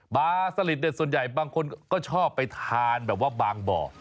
ปลาสลิดเนี่ยส่วนใหญ่บางคนก็ชอบไปทานแบบว่าบางบ่อ